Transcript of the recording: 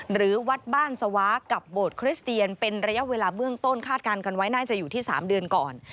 หรือวัดบ้านสวากับโบสถคริสเตียนเป็นระยะเวลาเบื้องต้นคาดการณ์กันไว้น่าจะอยู่ที่๓เดือนก่อน